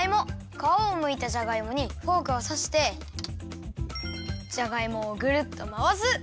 かわをむいたじゃがいもにフォークをさしてじゃがいもをぐるっとまわす。